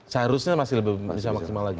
seharusnya masih lebih bisa maksimal lagi